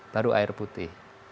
baru air putih